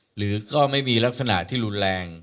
หรือก็ไม่มีลักษณะที่รุนแรง